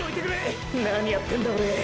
何やってんだオレ！！